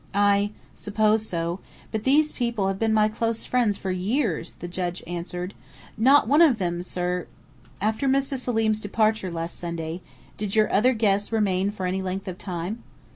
"I suppose so. But these people have been my close friends for years," the judge answered. "Not one of them, sir " "After Mrs. Selim's departure last Sunday, did your other guests remain for any length of time?"